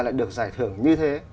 mà lại được giải thưởng như thế